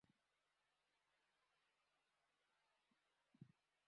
তবে এসব দোকান খোলা থাকে সোমবার দুপুর থেকে মঙ্গলবার বিকেল পর্যন্ত।